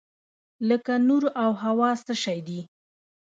لکه نور او هوا څه شی دي؟